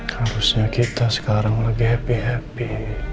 harusnya kita sekarang lagi happy happy